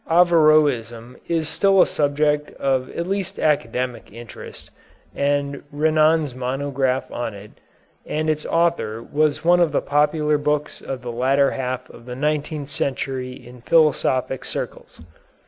Averroism is still a subject of at least academic interest, and Renan's monograph on it and its author was one of the popular books of the latter half of the nineteenth century in philosophic circles.